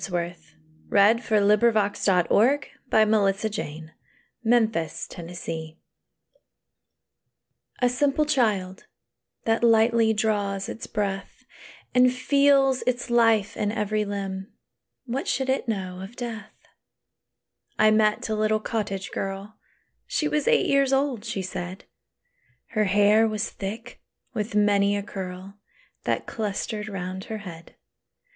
S T . U V . W X . Y Z We Are Seven [Wordsworth's own NOTES for this poem] A simple child, That lightly draws its breath, And feels its life in every limb, What should it know of death? I met a little cottage girl: She was eight years old, she said; Her hair was thick with many a curl That clustered round her head.